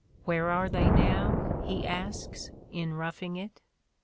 Where are they now? he asks in "Roughing It."